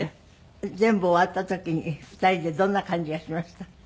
全部終わった時に２人でどんな感じがしました？